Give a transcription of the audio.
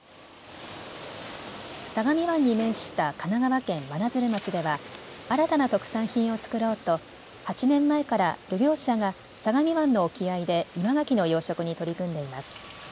相模湾に面した神奈川県真鶴町では新たな特産品を作ろうと８年前から漁業者が相模湾の沖合で岩ガキの養殖に取り組んでいます。